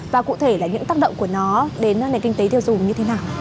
và cụ thể là những tác động của nó đến nền kinh tế tiêu dùng như thế nào